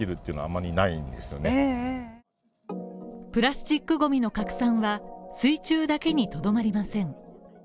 プラスチックゴミの拡散は水中だけにとどまりません。